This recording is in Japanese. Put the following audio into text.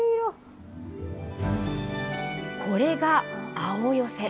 これが青寄せ。